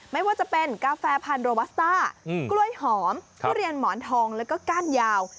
ไม่ว่าจะเป็นกาแฟพันโรบัสต้ากล้วยหอมทุเรียนหมอนทองแล้วก็ก้านยาว